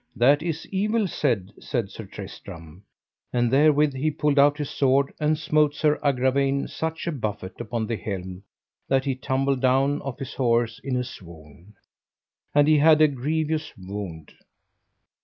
That is evil said, said Sir Tristram; and therewith he pulled out his sword, and smote Sir Agravaine such a buffet upon the helm that he tumbled down off his horse in a swoon, and he had a grievous wound.